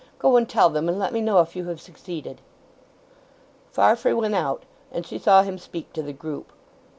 "Go and tell them, and let me know if you have succeeded!" Farfrae went out, and she saw him speak to the group.